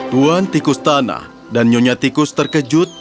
tuan tikus tanah dan nyonya tikus terkejut